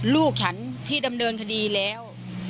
ลูกฉันที่ดำเนินคดีแล้ว